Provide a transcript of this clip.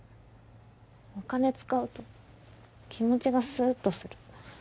お金使うと気持ちがスーッとする